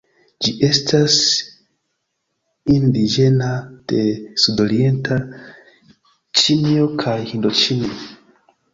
Ĝi estas indiĝena de sudorienta Ĉinio kaj Hindoĉinio.